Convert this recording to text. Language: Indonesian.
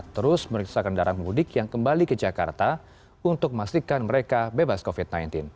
terus meriksa kendaraan mudik yang kembali ke jakarta untuk memastikan mereka bebas covid sembilan belas